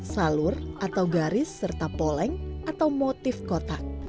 salur atau garis serta poleng atau motif kotak